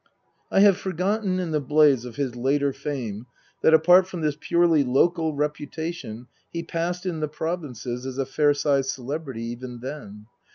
I have forgotten, in the blaze of his later fame, that (apart from this purely local reputation) he passed in the provinces as a fair sized celebrity even then.